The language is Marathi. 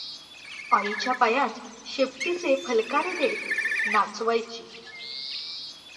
आईच्या पायांत शेपटीचे फलकारे देत नाचावयाची.